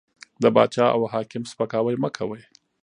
د باچا او حاکم سپکاوی مه کوئ!